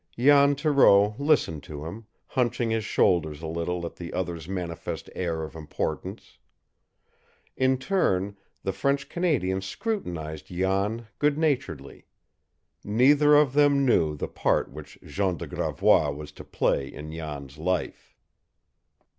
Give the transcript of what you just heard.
Jan Thoreau listened to him, hunching his shoulders a little at the other's manifest air of importance. In turn, the French Canadian scrutinized Jan good naturedly. Neither of them knew the part which Jean de Gravois was to play in Jan's life.